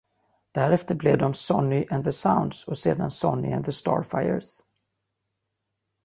Därefter blev de Sonny and The Sounds och sedan Sonny and The Starfires.